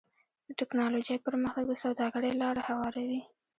د ټکنالوجۍ پرمختګ د سوداګرۍ لاره هواروي.